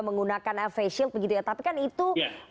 menggunakan face shield begitu ya tapi kan itu